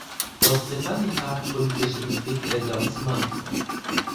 Großbritannien trat politisch ins Blickfeld der Osmanen.